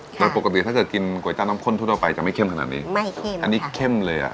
โดยปกติถ้าเกิดกินก๋วยต้าน้ำข้นทั่วไปจะไม่เข้มขนาดนี้ไม่เข้มอันนี้เข้มเลยอ่ะ